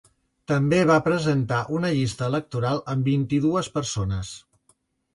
També va presentar una llista electoral amb vint-i-dues persones.